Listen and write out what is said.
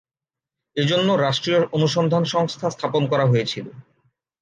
এজন্য রাষ্ট্ৰীয় অনুসন্ধান সংস্থা স্থাপন করা হয়েছিল।